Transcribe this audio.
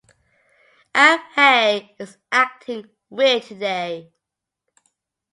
Abhay is acting weird today.